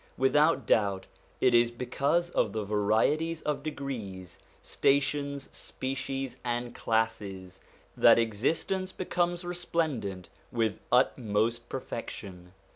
Without doubt it is because of the varieties of degrees, stations, species, and classes, that existence becomes resplendent with utmost perfection.